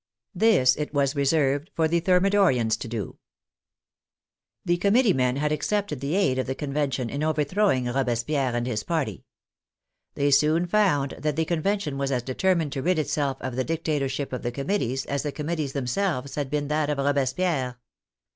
This it was reserved for the Thermidorians to do. The Committee men had accepted the aid of the Con vention in overthrowing Robespierre and his party. They soon found that the Convention was as determined to rid itself of the dictatorship of the Committees as the Committees themselves had been that of Robespierre.